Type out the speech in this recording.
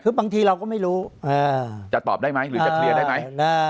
คือบางทีเราก็ไม่รู้จะตอบได้ไหมหรือจะเคลียร์ได้ไหม